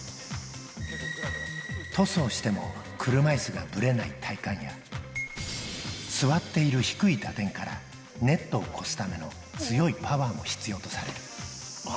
トスをしても車いすがぶれない体幹や、座っている低い打点からネットを越すための強いパワーも必要とさあ